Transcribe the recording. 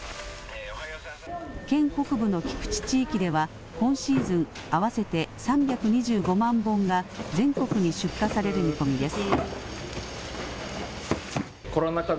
県北部の菊池地域では今シーズン合わせて３２５万本が全国に出荷される見込みです。